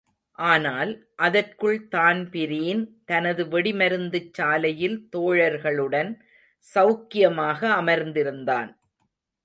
ஆனால், அதற்குள் தான்பிரீன் தனது வெடிமருந்துச் சாலையில் தோழர்களுடன் செளக்கியமாக அமர்திருந்தான்.